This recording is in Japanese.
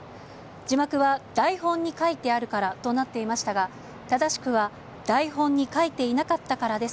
字幕は台本に書いてあるからとなっていましたが、正しくは、台本に書いていなかったからです。